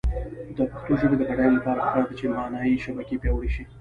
د پښتو ژبې د بډاینې لپاره پکار ده چې معنايي شبکې پیاوړې شي.